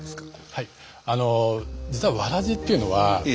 はい。